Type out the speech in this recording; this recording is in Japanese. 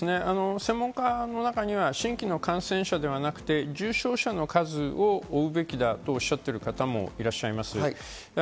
専門家の中では新規感染者ではなく重症者の数を追うべきだとおっしゃってる方もいらっしゃいます。